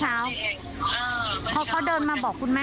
เขาบอกเขาทำเองเขาเป็นห่วงแล้วมองเขาสงสัยคุณแม่